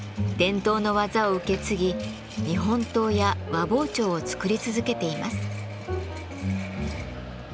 伝統の技を受け継ぎ日本刀や和包丁を作り続けています。